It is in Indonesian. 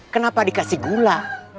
kenapa dikasih gula